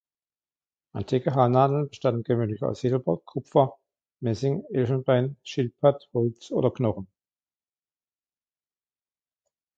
Antike Haarnadeln bestanden gewöhnlich aus Silber, Kupfer, Messing, Elfenbein, Schildpatt, Holz oder Knochen.